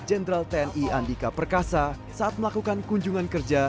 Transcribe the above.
jenderal tni andika perkasa saat melakukan kunjungan kerja